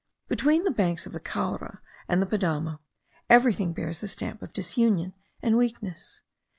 Between the banks of the Caura and the Padamo everything bears the stamp of disunion and weakness.